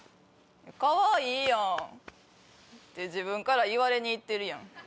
かわいいやん。って自分から言われに行ってるやん。